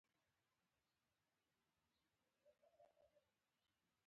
دا عملیات د تلې په نولسم د شپې ماخوستن پیل شول.